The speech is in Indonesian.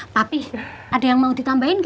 tapi ada yang mau ditambahin